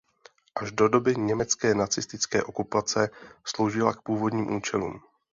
Až do doby německé nacistické okupace sloužila k původním účelům.